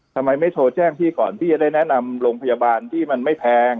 ทำไมไม่โทรแจ้งพี่ก่อนพี่จะได้แนะนำโรงพยาบาลที่มันไม่แพง